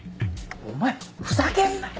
お前ふざけんなよ。